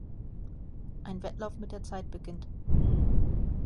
Ein Wettlauf mit der Zeit beginnt.